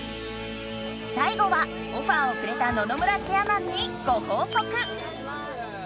最後はオファーをくれた野々村チェアマンにごほうこく！